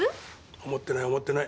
思ってない思ってない。